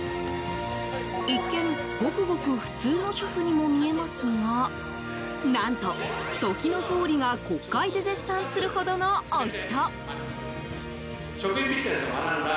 一見、ごくごく普通の主婦にも見えますが何と、時の総理が国会で絶賛するほどのお人。